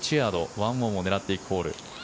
１オンを狙っていくホール。